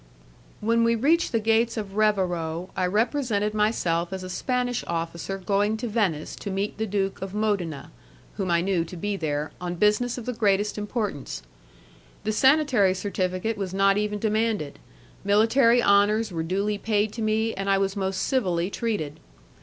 When we reached the gates of Revero, I represented myself as a Spanish officer going to Venice to meet the Duke of Modena (whom I knew to be there) on business of the greatest importance. The sanitary certificate was not even demanded, military honours were duly paid to me, and I was most civilly treated.